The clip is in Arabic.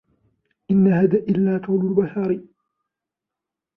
إِنْ هَذَا إِلَّا قَوْلُ الْبَشَرِ